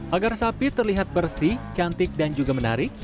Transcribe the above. agar sapi terlihat bersih cantik dan juga menarik